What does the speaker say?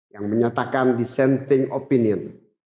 yang menyatakan dissenting opinion